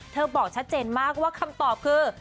บอกชัดเจนมากว่าคำตอบคือ